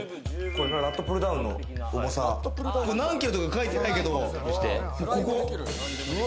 ラットプルダウンの重さ、何キロとか書いてないけれども、ここ。